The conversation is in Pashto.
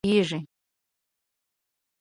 دا خلک په تجارت او ټوریزم ډېر ښه پوهېږي.